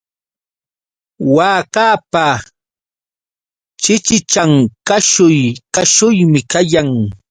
Waakapa chichichan kashuy kashuymi kayan.